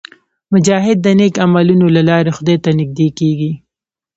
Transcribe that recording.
مجاهد د نیک عملونو له لارې خدای ته نږدې کېږي.